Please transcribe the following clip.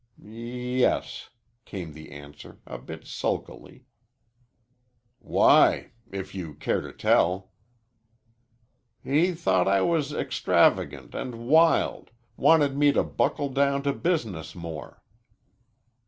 "Yes," came the answer, a bit sulkily. "Why if you care to tell?" "He thought I was extravagant and wild wanted me to buckle down to business more."